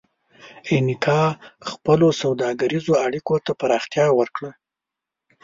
اینکا خپلو سوداګریزو اړیکو ته پراختیا ورکړه.